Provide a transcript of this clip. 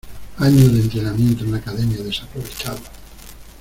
¡ Años de entrenamiento en la academia desaprovechados!